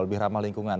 lebih ramah lingkungan